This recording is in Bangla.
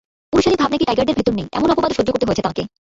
পুরুষালি ভাব নাকি টাইগারের ভেতর নেই, এমন অপবাদও সহ্য করতে হয়েছে তাঁকে।